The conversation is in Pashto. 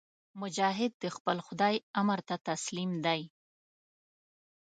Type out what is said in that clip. مجاهد د خپل خدای امر ته تسلیم دی.